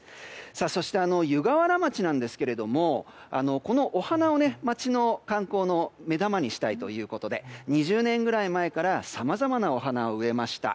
そして、湯河原町なんですがこのお花を、町の観光の目玉にしたいということで２０年ぐらい前からさまざまなお花を植えました。